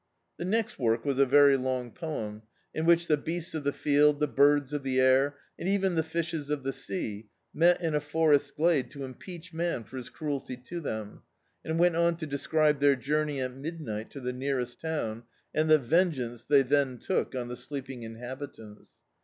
The next work was a very long poem, in which the beasts of the field, the birds of the air, and even the fishes of the sea, met in a forest glade to impeach man for his cruelty to them, and went on to describe their jouraey at midnight to the nearest town, and the vengeance they then took on the sleeping in habitants.